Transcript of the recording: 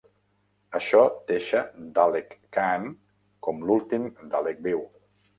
Això deixa Dalek Caan com l'últim Dalek viu.